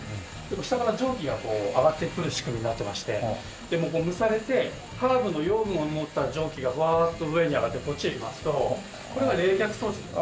下から蒸気が上がってくる仕組みになってまして蒸されてハーブの養分を持った蒸気がファーッと上に上がってこっちへ行きますとこれは冷却装置です。